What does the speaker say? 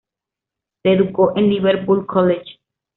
Se educó en el Liverpool College.